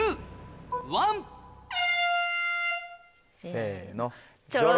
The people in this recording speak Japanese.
せの。